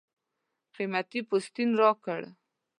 قېمتي پوستین راکړ.